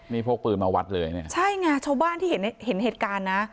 นี่พกปืนมาวัดเลยเนี่ยใช่ไงชาวบ้านที่เห็นเห็นเหตุการณ์นะ